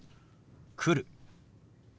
「来る」。